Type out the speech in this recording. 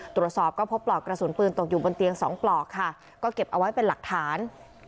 ตรวจสอบก็พบปลอกกระสุนปืนตกอยู่บนเตียง๒ปลอกค่ะก็เก็บเอาไว้เป็นหลักฐาน